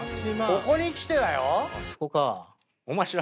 ここにきてだよ